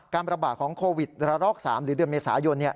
ประบาดของโควิดระลอก๓หรือเดือนเมษายน